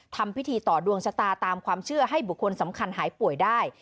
ทำพิธีต่อดวงชะตาตามความเชื่อให้บุคคลสำคัญหายป่วยได้